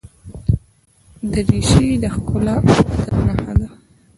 دریشي د ښکلا او ادب نښه ده.